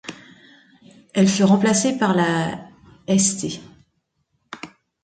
Elle fut remplacée par la St.